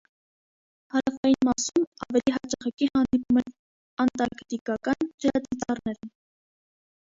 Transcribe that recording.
Հարավային մասում ավելի հաճախակի հանդիպում են անտարկտիկական ջրածիծառները։